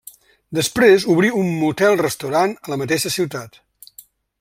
Després obrí un motel restaurant a la mateixa ciutat.